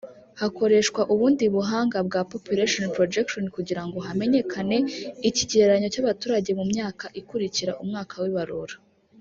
hakoreshwa ubundi buhanga bwa “Population Projection” kugira ngo hamenyekane ikigereranyo cy’abaturage mu myaka ikurikira umwaka w’ibarura